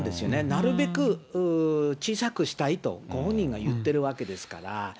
なるべく小さくしたいとご本人が言ってるわけですから。